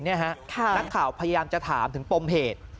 นักข่าวพยายามจะถามถึงปมเหตุ